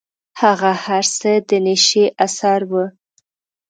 هغه هر څه د نيشې اثر و.